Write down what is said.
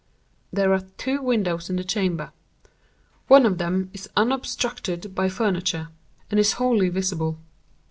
"There are two windows in the chamber. One of them is unobstructed by furniture, and is wholly visible.